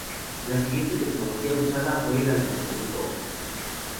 La siguiente tecnología usada fue almacenamiento óptico.